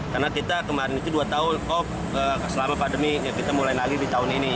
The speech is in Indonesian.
karena kita kemarin itu dua tahun selama pandemi kita mulai lagi di tahun ini